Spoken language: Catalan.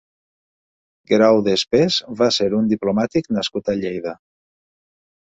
Guerau de Espés va ser un diplomàtic nascut a Lleida.